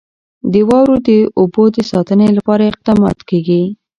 د واورو د اوبو د ساتنې لپاره اقدامات کېږي.